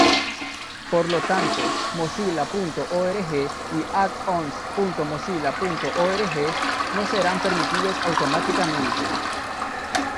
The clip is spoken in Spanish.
Por lo tanto, mozilla.org y addons.mozilla.org no serán permitidos automáticamente.